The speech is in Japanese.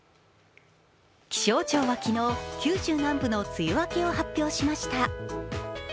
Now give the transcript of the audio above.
気象庁は昨日、九州南部の梅雨明けを発表しました。